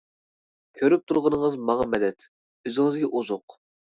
كۆرۈپ تۇرغىنىڭىز ماڭا مەدەت، ئۆزىڭىزگە ئوزۇق.